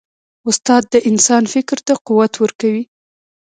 استاد د انسان فکر ته قوت ورکوي.